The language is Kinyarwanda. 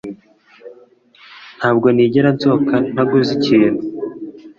Ntabwo nigera nsohoka ntaguze ikintu